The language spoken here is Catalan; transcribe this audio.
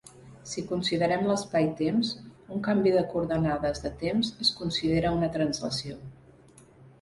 Si considerem l'espaitemps, un canvi de coordenades de temps es considera una translació.